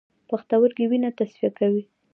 پښتورګي وینه تصفیه کوي